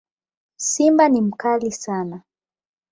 Simba ni mkali sana